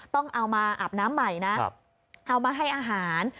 ต้องเอามาอาบน้ำใหม่นะเอามาให้อาหาร